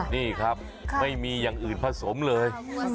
นี่ครับไม่มีอย่างอื่นผสมเลย